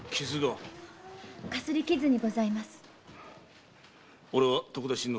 「あき」にございます。